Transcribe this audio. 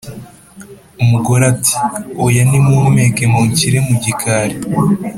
Umugore ati: "Oya nimumpeke munshyire mu gikari"